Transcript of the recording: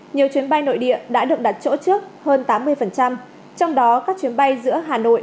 nhiều chuyến bay nội địa đã được đặt chỗ trước hơn tám mươi trong đó các chuyến bay giữa hà nội